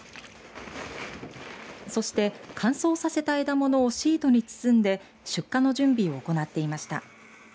そして、乾燥させた枝物をシートに包んで出荷の準備を行っていました。